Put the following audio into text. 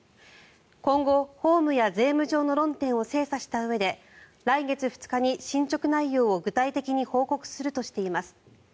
今後、法務や税務上を精査したうえで来月２日に進ちょく内容を具体的に報告するとしています。